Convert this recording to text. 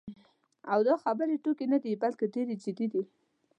او دا خبرې ټوکې نه دي، بلکې ډېرې جدي دي.